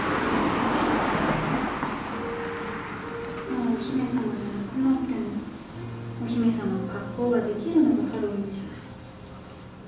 もうお姫様じゃなくなってもお姫様の格好ができるのがハロウィーンじゃない。